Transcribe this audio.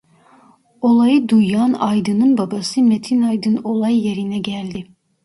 Olayı duyan Aydın'ın babası Metin Aydın olay yerine geldi.